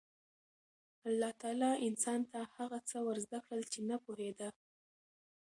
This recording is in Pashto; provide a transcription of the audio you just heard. الله تعالی انسان ته هغه څه ور زده کړل چې نه پوهېده.